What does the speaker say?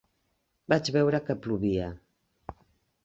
Vaig veure que plovia.